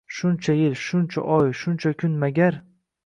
Shuncha yil, shuncha oy, shuncha kun magar